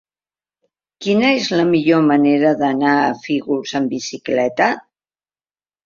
Quina és la millor manera d'anar a Fígols amb bicicleta?